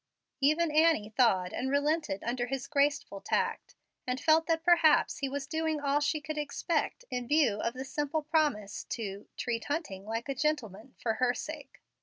Even Annie thawed and relented under his graceful tact, and felt that perhaps he was doing all she could expect in view of the simple promise to "treat Hunting like a gentleman, for her sake."